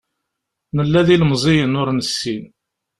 Nella d ilemẓiyen ur nessin.